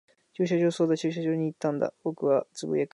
駐車場。そうだ、駐車場に行ったんだ。僕は呟く、声を出す。